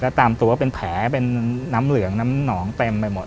ตามตัวเป็นแผลเป็นน้ำเหลืองน้ำหนองเต็มไปหมด